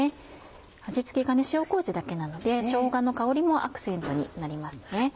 味付けが塩麹だけなのでしょうがの香りもアクセントになりますね。